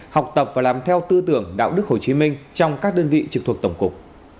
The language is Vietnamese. học tập và làm theo tư tưởng đạo đức hồ chí minh trong các đơn vị trực thuộc tổng cục